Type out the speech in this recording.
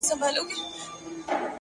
زما د دوو سترگو ډېوو درپسې ژاړم!